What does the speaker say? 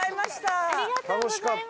楽しかった。